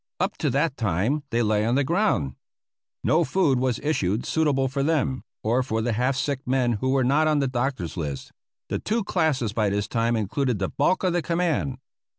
Up to that time they lay on the ground. No food was issued suitable for them, or for the half sick men who were not on the doctor's list; the two classes by this time included the bulk of the command.